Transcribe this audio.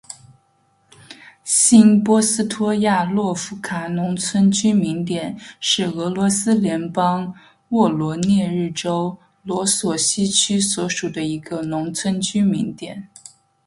新波斯托亚洛夫卡农村居民点是俄罗斯联邦沃罗涅日州罗索希区所属的一个农村居民点。